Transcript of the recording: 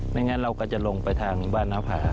งั้นเราก็จะลงไปทางบ้านน้าผา